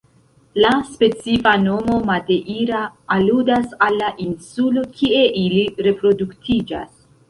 La specifa nomo "madeira" aludas al la insulo kie ili reproduktiĝas.